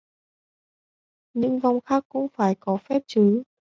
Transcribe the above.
Những vong khác cũng phải có phép chứ